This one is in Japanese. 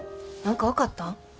何か分かったん？